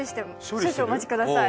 少々お待ちください。